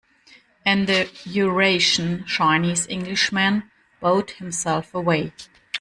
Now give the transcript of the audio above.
And the Eurasian Chinese-Englishman bowed himself away.